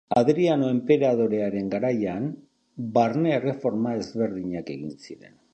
Hadriano enperadorearen garaian, barne erreforma ezberdinak egin ziren.